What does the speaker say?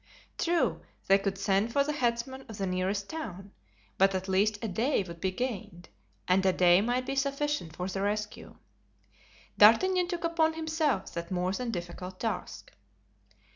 True, they could send for the headsman of the nearest town, but at least a day would be gained, and a day might be sufficient for the rescue. D'Artagnan took upon himself that more than difficult task.